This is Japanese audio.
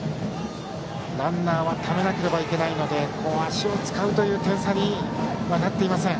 ランナーをためなければいけないのでここは足を使う点差にはなっていません。